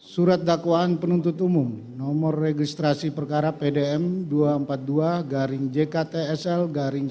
surat dakwaan penuntut umum nomor registrasi perkara pdm dua ratus empat puluh dua jktsl sepuluh dua ribu dua puluh dua